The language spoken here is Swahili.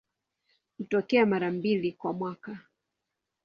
Hutokea mara mbili kwa mwaka.